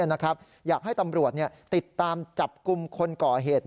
อยากให้ตำรวจติดตามจับกลุ่มคนก่อเหตุ